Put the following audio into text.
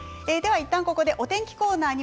いったんここでお天気コーナーです。